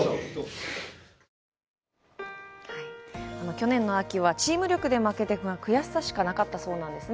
去年の秋はチーム力で負けて、悔しさしかなかったそうです。